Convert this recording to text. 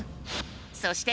そして。